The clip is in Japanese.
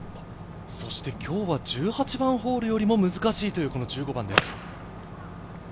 今日は１８番ホールより難しいという１５番です。